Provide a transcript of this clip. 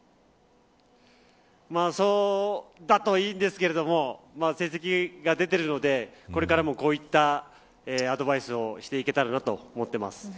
そうだといいんですけれども成績が出ているのでこれからもこういったアドバイスをしていけたらなと思っています。